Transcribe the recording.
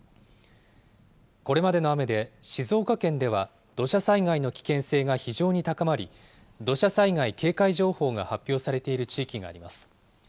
これまでの雨で静岡県では土砂災害の危険性が非常に高まり、土砂災害警戒情報が発表されている地域があります。